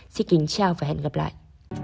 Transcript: xin kính chào và hẹn gặp lại